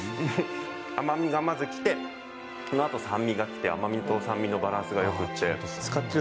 甘みが、まずきてそのあと酸味がきて甘みと酸味のバランスがよくって。